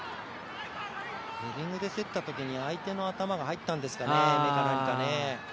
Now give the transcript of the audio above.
ヘディングで競ったときに、相手の頭が入ったんですかね。